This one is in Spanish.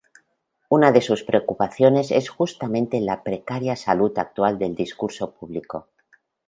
Una de sus preocupaciones es justamente la precaria salud actual del discurso público.